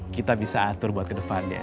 kita bisa atur buat ke depannya